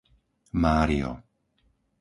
Mário